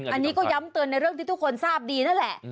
อันนี้ก็ย้ำเตือนในเรื่องที่ทุกคนทราบดีนั่นแหละ